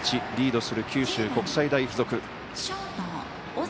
リードする九州国際大付属。